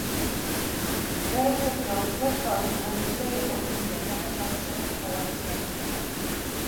მეორე მსოფლიო ომის დროს ქალაქი იბომბებოდა იაპონიის მიერ, რამაც მას ასევე მნიშვნელოვანი ზიანი მიაყენა.